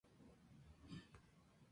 Esta versión no carece de un cariz mítico.